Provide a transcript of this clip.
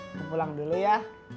aku pulang dulu ya